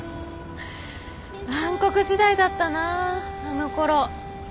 暗黒時代だったなあのころ。